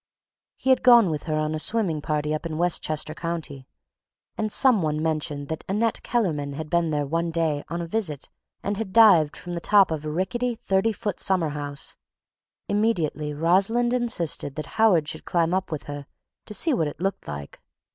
He had gone with her on a swimming party up in Westchester County, and some one mentioned that Annette Kellerman had been there one day on a visit and had dived from the top of a rickety, thirty foot summer house. Immediately Rosalind insisted that Howard should climb up with her to see what it looked like.